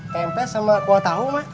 tempe sama kuah tahu mak